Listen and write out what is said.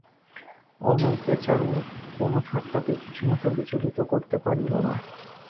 অমলকে চারু কোনো ঠাট্টাতেই কিছুমাত্র বিচলিত করিতে পারিল না।